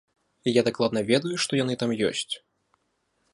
Я дакладна ведаю, што яны там ёсць.